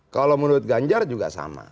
kalau menurut ganjar juga sama